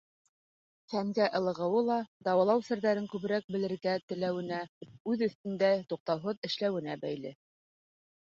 Фәнгә ылығыуы ла дауалау серҙәрен күберәк белергә теләүенә, үҙ өҫтөндә туҡтауһыҙ эшләүенә бәйле.